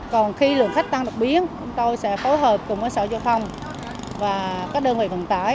còn khi lượng khách tăng đặc biến tôi sẽ phối hợp cùng với sở châu phong và các đơn vị phòng tải